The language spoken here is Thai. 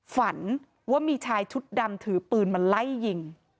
ฝันว่ามีชายชุดดำถือปืนมาไล่ยิง